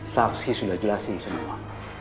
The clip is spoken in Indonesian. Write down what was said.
saksi sudah jelasin semua